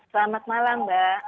selamat malam mbak